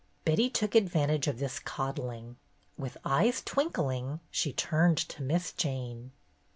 Betty took advantage of this coddling. With eyes twinkling, she turned to Miss Jane.